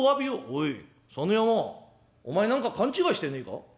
「おい佐野山お前何か勘違いしてねえか？